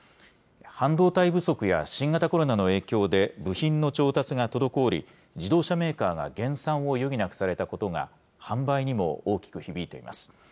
半導体不足や新型コロナの影響で部品の調達が滞り、自動車メーカーが減産を余儀なくされたことが、販売にも大きく響いています。